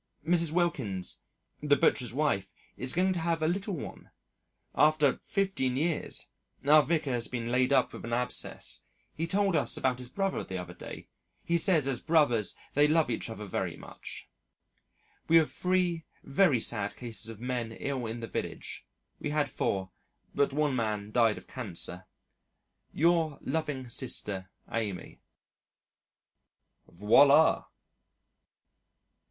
Mrs. Wilkins, the butcher's wife is going to have a little one after 15 years, our Vicar has been laid up with an abscess, he told us about his brother the other day, he says as brothers they love each other very much. We have 3 very sad cases of men ill in the village. We had 4 but one man died of cancer. "Yr loving Sister Amy." Voilà!